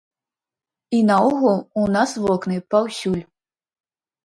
І наогул, у нас вокны паўсюль.